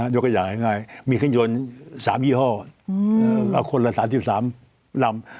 ยกตัวอย่างง่ายมีเครื่องยนต์๓ยี่ห้อคนละ๓๓ลำ